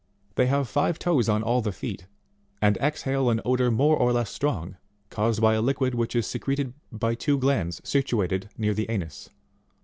They have five toes on all the feet, and exhale an odour more or less strong, caused by a liquid which is secreted by two glands situated near the anus.